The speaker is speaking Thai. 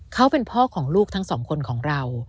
เขาเป็นพ่อของลูกทั้งสองคนของเรา